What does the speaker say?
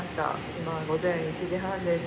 今、午前１時半です。